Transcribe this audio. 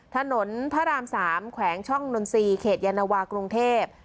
ถนนพระราม๓แขวงช่องนนทรีย์เขตยานวากรุงเทพ